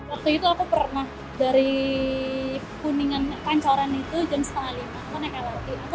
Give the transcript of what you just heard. waktu itu aku pernah dari kuningan pancoran itu jam setengah lima aku naik lrt